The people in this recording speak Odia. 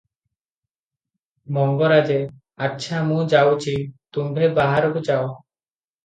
ମଙ୍ଗରାଜେ: ଆଚ୍ଛା ମୁଁ ଯାଉଛି, ତୁମ୍ଭେ ବାହାରକୁ ଯାଅ ।